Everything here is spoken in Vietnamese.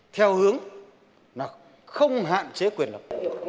theo hướng là không hạn chế quyền lập